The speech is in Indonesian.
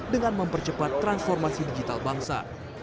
dengan mempercepat transformasi digital bangsa